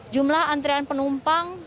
jumlah antrian penumpang